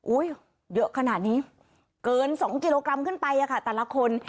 เยอะขนาดนี้เกิน๒กิโลกรัมขึ้นไปค่ะแต่ละคน